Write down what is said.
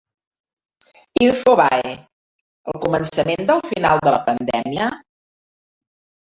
Infobae: El començament del final de la pandèmia?